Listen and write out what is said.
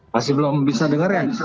masih belum bisa dengar ya